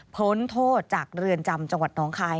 พ้นโทษจากเรือนจำจังหวัดน้องคาย